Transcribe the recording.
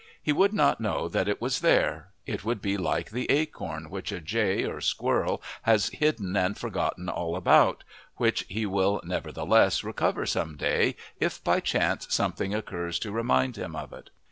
He would not know that it was there; it would be like the acorn which a jay or squirrel has hidden and forgotten all about, which he will nevertheless recover some day if by chance something occurs to remind him of it.